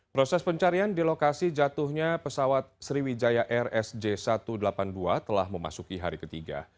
proses pencarian di lokasi jatuhnya pesawat sriwijaya rsj satu ratus delapan puluh dua telah memasuki hari ketiga